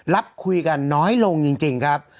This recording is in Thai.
รับคุยกันน้อยลงจริงครับ